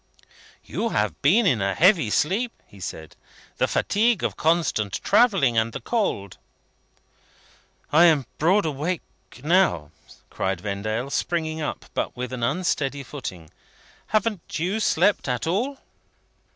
"You have been in a heavy sleep," he said. "The fatigue of constant travelling and the cold!" "I am broad awake now," cried Vendale, springing up, but with an unsteady footing. "Haven't you slept at all?"